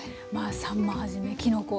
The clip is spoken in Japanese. さんまはじめきのこ